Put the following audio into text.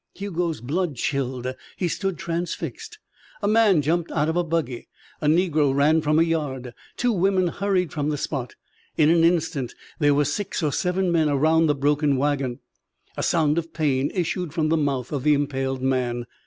Hugo's blood chilled. He stood transfixed. A man jumped out of a buggy. A Negro ran from a yard. Two women hurried from the spot. In an instant there were six or seven men around the broken wagon. A sound of pain issued from the mouth of the impaled man.